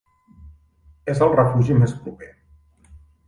És el refugi més proper.